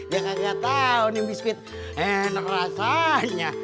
jaka gak tau nih biskuit enak rasanya